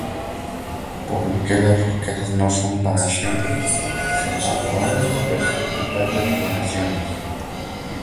Porque las riquezas no son para siempre; ¿Y será la corona para perpetuas generaciones?